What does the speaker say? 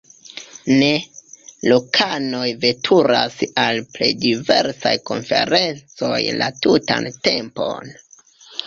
Ne, lokanoj veturas al plej diversaj konferencoj la tutan tempon.